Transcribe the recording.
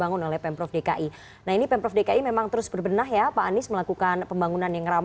anda masih menyasihkan